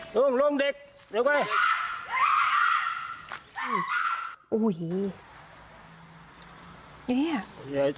ลุงลุงเด็กเดี๋ยวก่อน